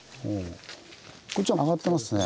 こっちは上がってますね。